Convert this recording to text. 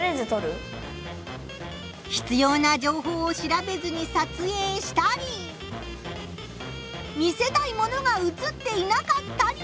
ひつような情報を調べずに撮影したり見せたいものがうつっていなかったり。